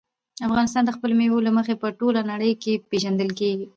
افغانستان د خپلو مېوو له مخې په ټوله نړۍ کې پېژندل کېږي.